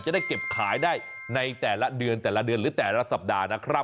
จะได้เก็บขายได้ในแต่ละเดือนแต่ละเดือนหรือแต่ละสัปดาห์นะครับ